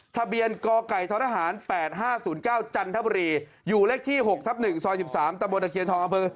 ทะเบียนกไก่ททหาร๘๕๐๙จันทบุรีอยู่เลขที่๖ทับ๑ซอย๑๓ตะบนตะเคียนทองอำเภอ